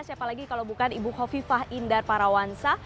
siapa lagi kalau bukan ibu kofifah indar parawansa